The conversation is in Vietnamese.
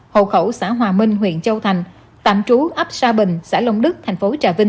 hộ khẩu xã hòa minh huyện châu thành tạm trú ấp sa bình xã long đức thành phố trà vinh